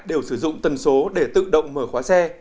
đều sử dụng tần số để tự động mở khóa xe